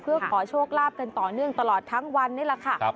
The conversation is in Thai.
เพื่อขอโชคลาภกันต่อเนื่องตลอดทั้งวันนี่แหละค่ะ